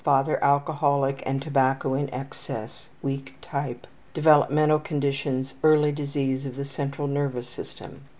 Father alcoholic and tobacco in excess weak type. Developmental conditions: Early disease of the central nervous system.